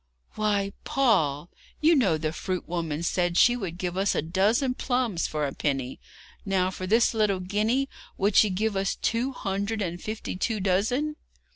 'Why, Paul, you know the fruit woman said she would give us a dozen plums for a penny. Now, for this little guinea would she give us two hundred and fifty two dozen?'